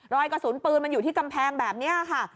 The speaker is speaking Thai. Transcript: รอยกระสุนปืนมันอยู่ที่กำแพงแบบนี้ค่ะ